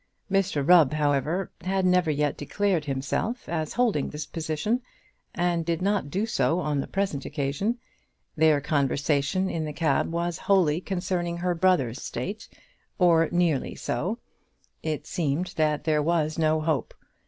Mr Rubb, however, had never yet declared himself as holding this position, and did not do so on the present occasion. Their conversation in the cab was wholly concerning her brother's state, or nearly so. It seemed that there was no hope.